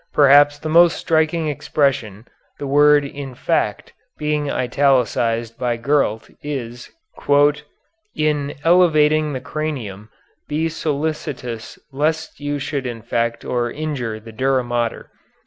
Perhaps the most striking expression, the word infect being italicized by Gurlt, is: "In elevating the cranium be solicitous lest you should infect or injure the dura mater."